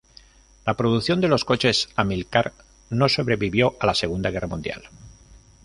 La producción de los coches Amilcar no sobrevivió a la Segunda Guerra Mundial.